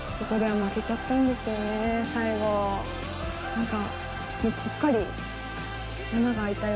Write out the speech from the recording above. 何か。